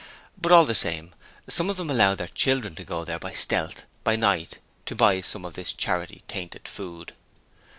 But all the same, some of them allowed their children to go there by stealth, by night, to buy some of this charity tainted food.